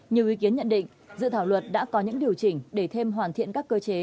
nhiều ý kiến nhận định dự thảo luật đã có những điều chỉnh để thêm hoàn thiện các cơ chế